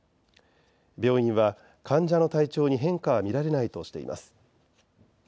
病院は患者の体調に変化は見られないとしています。